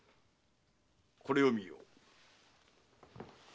これを見よ。